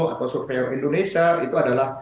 atau survei indonesia itu adalah